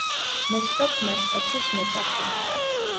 მესროპ მაშტოცის მოწაფე.